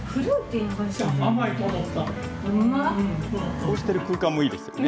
こうしている空間もいいですよね。